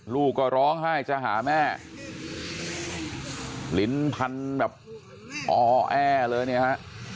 ลูกก็ร้องไห้จะหาแม่ลิ้นพันแบบอ้อแอเลยเนี่ยฮะ